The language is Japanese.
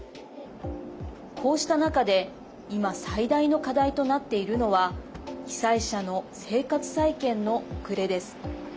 こうした中で今、最大の課題となっているのは被災者の生活再建の遅れです。